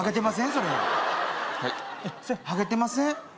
それハゲてません？